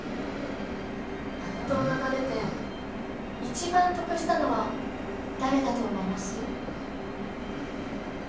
あの動画が出て一番得したのは誰だと思います？